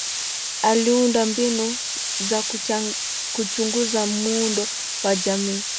Aliunda mbinu za kuchunguza muundo wa jamii.